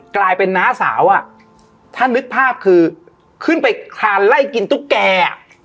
กลายเป็นน้าสาวอ่ะถ้านึกภาพคือขึ้นไปคลานไล่กินตุ๊กแกอ่ะ